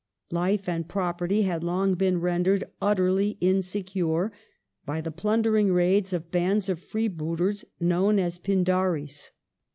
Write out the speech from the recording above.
Life and property had long been rendered utterly insecure by the plundering raids of bands of freebooters known as the Pindaris.